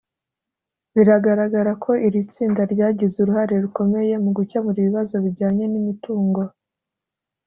Biragaragara ko iri tsinda ryagize uruhare rukomeye mu gukemura ibibazo bijyanye n imitungo